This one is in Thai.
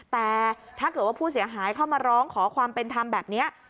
แต่ถ้าเกิดว่าผู้เสียหายเข้ามาร้องขอความเป็นธรรมแบบนี้